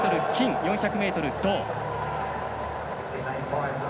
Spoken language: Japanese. ４００ｍ、銅。